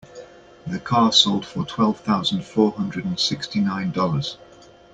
The car sold for twelve thousand four hundred and sixty nine dollars.